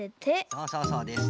そうそうそうです。